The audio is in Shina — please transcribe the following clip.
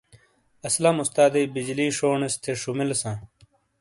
اسلم استادیئی بجلی شونیس تھے شومیلیساں۔